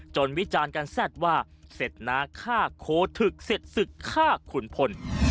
วิจารณ์กันแซ่บว่าเสร็จนาฆ่าโคทึกเสร็จศึกฆ่าขุนพล